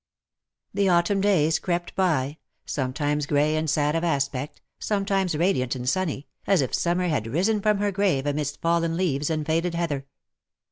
The autumn days crept by, sometimes grey and sad of aspect,, sometimes radiant and sunny, as if summer had risen from her grave amidst fallen leaves and faded heather.